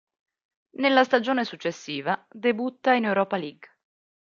Nella stagione successiva debutta in Europa League.